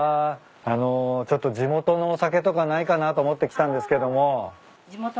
あのちょっと地元のお酒とかないかなと思って来たんですけども。